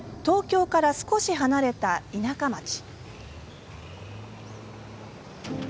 東京から少し離れた田舎町。